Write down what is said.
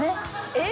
えっ！